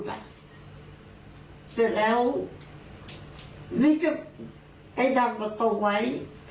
แต่แล้วนี่ก็ไปดำประตูไว้